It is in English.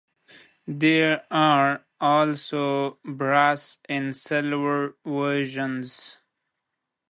There are also brass and silver versions.